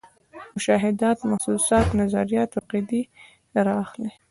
مشاهدات، محسوسات، نظریات او عقیدې را اخلي.